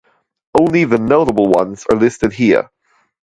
Only the notable ones are listed here.